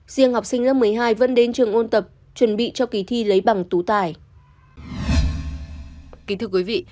riêng học sinh lớp một mươi hai vẫn đến trường ôn tập chuẩn bị cho kỳ thi lấy bằng tú tài